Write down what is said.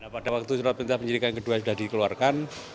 pada waktu penyelidikan kedua sudah dikeluarkan